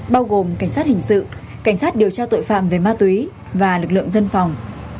bao gồm cảnh sát hình sự cảnh sát điều tra tội phạm về ma túy và lực lượng dân phòng